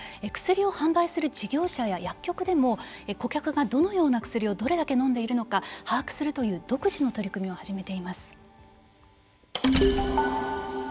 薬を販売する事業者や薬局でも顧客がどのような薬をどれだけのんでいるのか把握するという独自の取り組みを始めています。